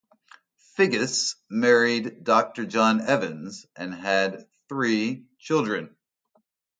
Figgis married Dr John Evans and had three children.